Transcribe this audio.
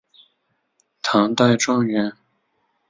唐代状元。